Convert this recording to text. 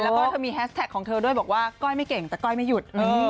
แล้วก็เธอมีแฮสแท็กของเธอด้วยบอกว่าก้อยไม่เก่งแต่ก้อยไม่หยุด